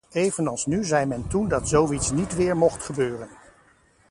Evenals nu zei men toen dat zoiets niet weer mocht gebeuren.